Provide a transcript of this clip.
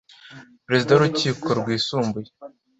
Perezida w urukiko rwisumbuye